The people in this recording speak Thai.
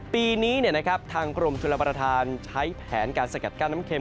ปีนี้นะครับทางกรมทุลประทานใช้แผนการสกัดการน้ำเค็ม